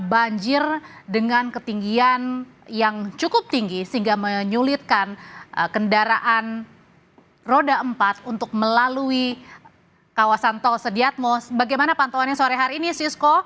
bagaimana pantauannya sore hari ini sisko